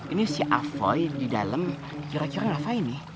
ini si apoy di dalam kira kira nafai nih